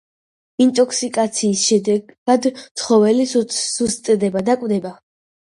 ინტოქსიკაციის შედეგად ცხოველი სუსტდება და კვდება.